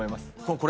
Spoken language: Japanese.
これ？